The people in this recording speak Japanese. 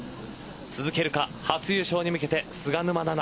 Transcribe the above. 続けるか初優勝に向けて菅沼菜々。